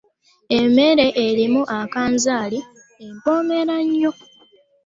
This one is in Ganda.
Emmere erimu akanzaali empomera nnyo.